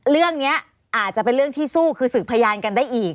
เรื่องนี้อาจจะเป็นเรื่องที่สู้คือสืบพยานกันได้อีก